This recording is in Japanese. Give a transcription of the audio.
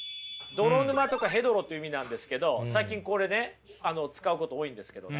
泥沼とかヘドロという意味なんですけど最近これね使うこと多いんですけどね。